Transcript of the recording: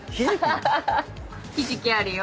ひじきあるよ。